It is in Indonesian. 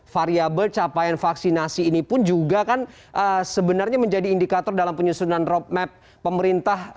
variable capaian vaksinasi ini pun juga kan sebenarnya menjadi indikator dalam penyusunan roadmap pemerintah